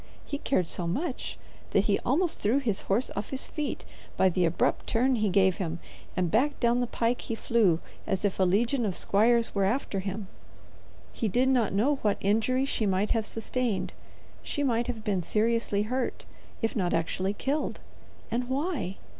He cared so much that he almost threw his horse off his feet by the abrupt turn he gave him, and back down the pike he flew as if a legion of squires were after him. He did not know what injury she might have sustained; She might have been seriously hurt, if not actually killed. And why?